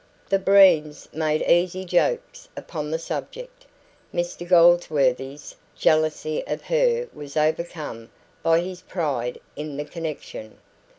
The Breens made easy jokes upon the subject; Mr Goldsworthy's jealousy of her was overcome by his pride in the connection.